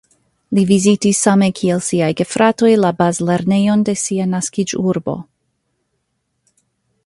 Li vizitis same kiel siaj gefratoj la bazlernejon de sia naskiĝurbo.